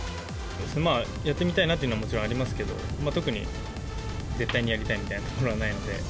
やってみたなというのはもちろんありますけど、特に、絶対にやりたいみたいなところはないので。